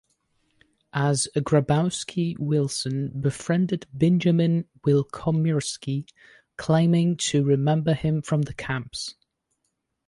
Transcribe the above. As Grabowski, Willson befriended Binjamin Wilkomirski, claiming to remember him from the camps.